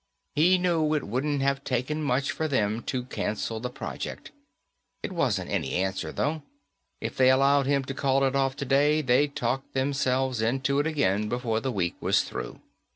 He knew it wouldn't have taken much for them to cancel the project. It wasn't any answer though. If they allowed him to call it off today, they'd talk themselves into it again before the week was through.